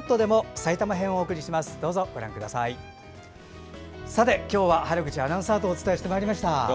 さて、今日は原口アナウンサーとお伝えしてまいりました。